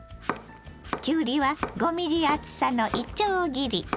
きゅうりは５ｍｍ厚さのいちょう切り。